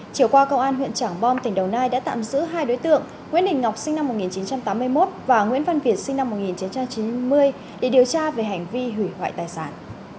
chiều qua công an huyện trảng bom tỉnh đồng nai đã tạm giữ hai đối tượng nguyễn đình ngọc sinh năm một nghìn chín trăm tám mươi một và nguyễn văn việt sinh năm một nghìn chín trăm chín mươi để điều tra về hành vi hủy hoại tài sản